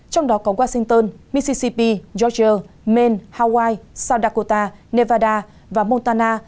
trong đó có washington mississippi georgia maine hawaii south dakota nevada và montana